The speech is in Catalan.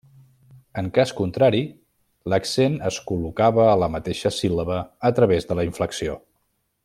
En cas contrari, l'accent es col·locava a la mateixa síl·laba a través de la inflexió.